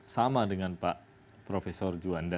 sama dengan pak profesor juanda